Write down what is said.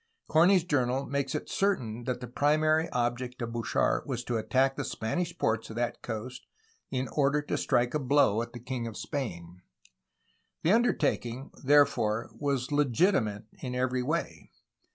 Corney's journal makes it certain that the primary object of Bouchard was to attack the Spanish ports of that coast in order to strike a blow at the king of Spain. The undertak ing, therefore, was legitimate in every way.